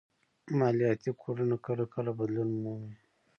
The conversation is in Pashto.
مالياتي کوډونه کله کله بدلون مومي